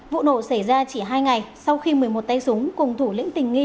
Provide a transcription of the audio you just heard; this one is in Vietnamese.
vụ nổ xảy ra chỉ hai ngày sau khi một mươi một tay súng cùng thủ lĩnh tình nghi